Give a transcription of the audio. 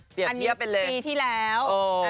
เปรียบเทียบไปเลยอันนี้ปีที่แล้ว